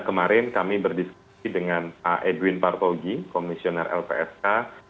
kemarin kami berdiskusi dengan pak edwin partogi komisioner lpsk